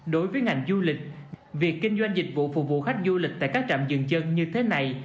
đối với ngành du lịch việc kinh doanh dịch vụ phục vụ khách du lịch tại các trạm dừng chân như thế này